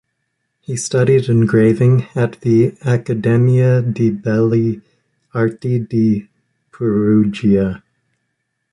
He studied engraving at the Accademia di Belle Arti di Perugia.